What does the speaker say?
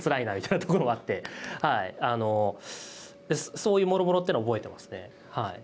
そういうもろもろってのは覚えてますね。